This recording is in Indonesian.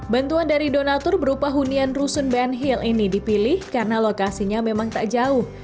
bantuan dari donatur berupa hunian rusun ben hill ini dipilih karena lokasinya memang tak jauh